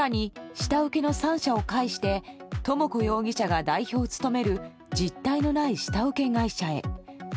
下請けの３社を介し智子容疑者が代表を務める実体のない下請け会社へ。